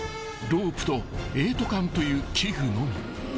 ロープとエイト環という器具のみ］